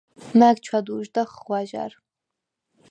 მა̈გ ჩვა̈დუ̄ჟდახ ღვაჟა̈რ.